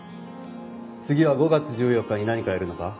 次は５月１４日に何かやるのか？